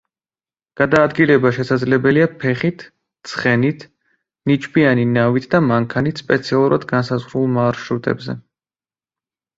გადაადგილება შესაძლებელია ფეხით, ცხენით, ნიჩბიანი ნავით და მანქანით სპეციალურად განსაზღვრულ მარშრუტებზე.